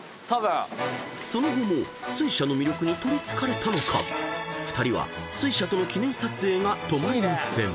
［その後も水車の魅力に取りつかれたのか２人は水車との記念撮影が止まりません］